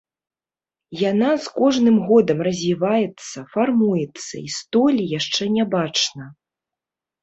Яна з кожным годам развіваецца, фармуецца, і столі яшчэ не бачна.